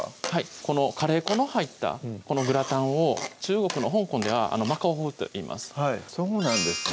このカレー粉の入ったこのグラタンを中国の香港ではマカオ風といいますそうなんですね